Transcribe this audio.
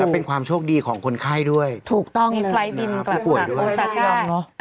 เป็นความโชคดีของคนไข้ด้วยถูกต้องมีไฟล์ทบินกลับมาโอซาก้า